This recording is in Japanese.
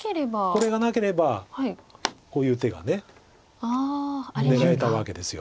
これがなければこういう手が狙えたわけです。